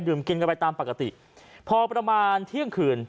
กินกันไปตามปกติพอประมาณเที่ยงคืน